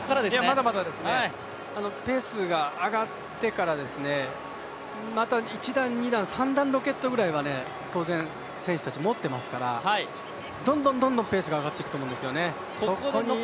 まだまだですね、ペースが上がってからまた１段、２段、３段ロケットくらいは当然選手たち持っていますから、どんどんどんどんペースが上がっていくと思うんですよね。